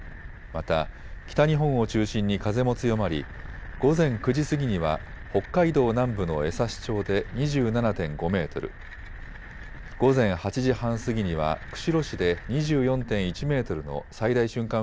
また、北日本を中心に風も強まり午前９時過ぎには北海道南部の江差町で２７．５メートル、午前８時半過ぎには釧路市で２４．１メートルの最大瞬間